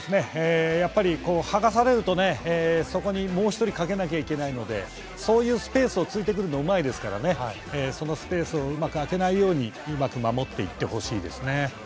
やっぱり剥がされるとそこにもう１人かけなければいけないのでそういうスペースをついてくるのがうまいですからそのスペースをうまく空けないようにうまく守っていってほしいです。